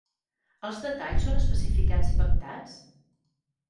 Els detalls són especificats i pactats?